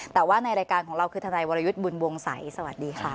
แต่ว่าในรายการของเราคือทนายวรยุทธ์บุญวงศัยสวัสดีค่ะ